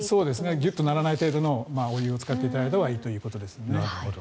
ギュッとならない程度のお湯を使っていただいたほうがいいということです。